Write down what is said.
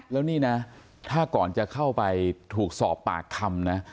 แล้วนี่นะถ้าก่อนจะเข้าไปถูกสอบปากคำนะ